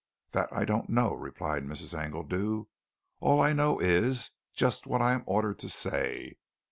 "That I don't know," replied Mrs. Engledew. "All I know is just what I am ordered to say.